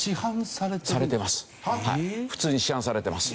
普通に市販されてます。